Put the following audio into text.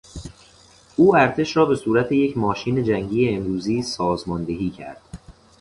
او ارتش را به صورت یک ماشین جنگی امروزی سازماندهی کرد.